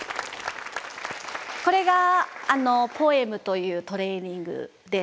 これがポエムというトレーニングです。